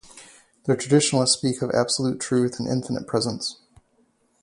The Traditionalists speak of "absolute Truth and infinite Presence".